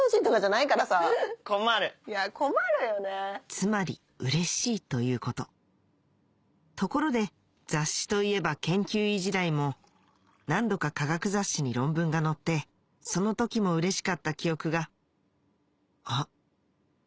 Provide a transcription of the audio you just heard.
つまりうれしいということところで雑誌といえば研究医時代も何度か科学雑誌に論文が載ってその時もうれしかった記憶があ？